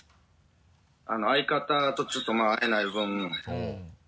相方とちょっと会えない分